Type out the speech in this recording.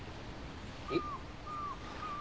えっ？